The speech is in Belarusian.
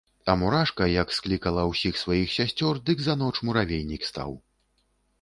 А мурашка, як склікала ўсіх сваіх сясцёр, дык за ноч муравейнік стаў.